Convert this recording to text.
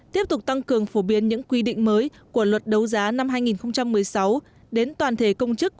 tiếp tục tăng cường phổ biến những quy định mới của luật đấu giá năm hai nghìn một mươi sáu đến toàn thể công chức